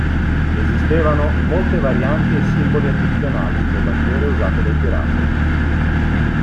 Esistevano molte varianti e simboli addizionali sulle bandiere usate dai pirati.